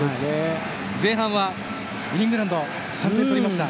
前半はイングランド３点取りました。